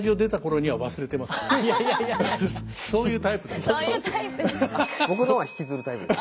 そういうタイプです。